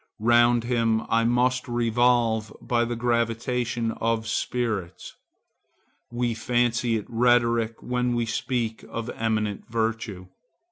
Round him I must revolve by the gravitation of spirits. We fancy it rhetoric when we speak of eminent virtue.